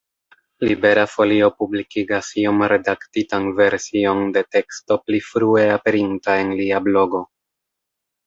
Libera Folio publikigas iom redaktitan version de teksto pli frue aperinta en lia blogo.